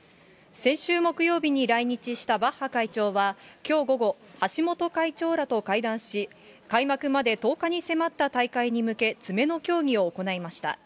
先週木曜日に来日したバッハ会長はきょう午後、橋本会長らと会談し、開幕まで１０日に迫った大会に向け、詰めの協議を行いました。